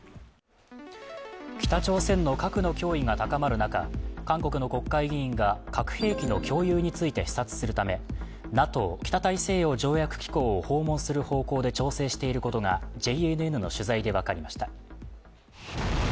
北朝鮮の核の脅威が高まる中、韓国の国会議員が核兵器の共有について視察するためＮＡＴＯ＝北大西洋条約機構を訪問する方向で調整していることがＪＮＮの取材で分かりました。